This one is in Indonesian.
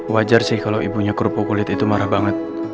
wajar sih kalau ibunya kerupuk kulit itu marah banget